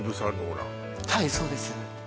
はいそうです